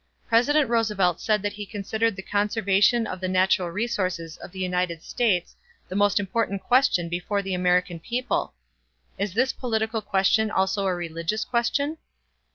President Roosevelt said that he considered the conservation of the natural resources of the United States the most important question before the American people. Is this political question also a religious question?